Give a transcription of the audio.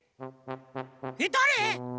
えっだれ？